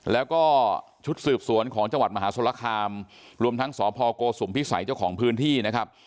แล้วก็ชุดสืบสวนของจังหวัดมหาสรคามรวมทั้งสพโกสุมพิสัยเจ้าของพื้นที่นะครับ